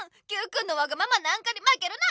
Ｑくんのわがままなんかにまけるな！